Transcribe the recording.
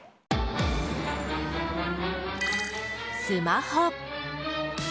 スマホ。